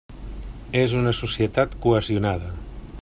És una societat cohesionada.